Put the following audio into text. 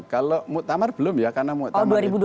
kalau muktamar belum ya karena muktamar itu